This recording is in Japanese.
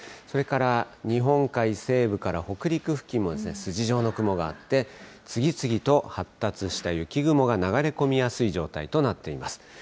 それから日本海西部から北陸付近も筋状の雲があって、次々と発達した雪雲が流れ込みやすい状態となっています。